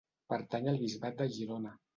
Pertany al Bisbat de Girona.